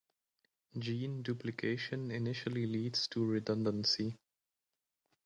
Gene duplication initially leads to redundancy.